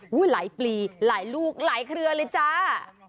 หลายปลีหลายลูกหลายเครือเลยจ้า